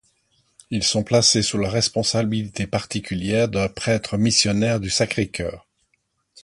Ils sont placés sous la responsabilité particulière d'un prêtre missionnaire du Sacré-Cœur.